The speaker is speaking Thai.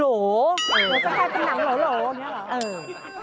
เหมือนกันแค่เป็นหนังโหลอย่างนี้เหรอ